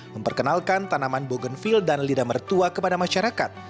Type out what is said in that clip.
memperkenalkan tanaman bogenville dan lidah mertua kepada masyarakat